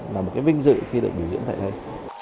là một cái vinh dự khi được biểu diễn tại đây